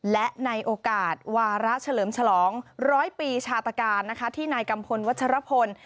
และในโอกาสวาระเฉลิมฉลองร้อยปีชาตการนะคะที่นายกัมพลวัชรพล